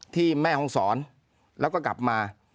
ที่แม่ห้องศรแล้วก็กลับมา